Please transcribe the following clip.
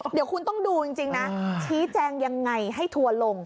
เดี๋ยวคุณต้องดูจริงนะชี้แจงยังไงให้ทัวร์ลง